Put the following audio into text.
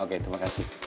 oke terima kasih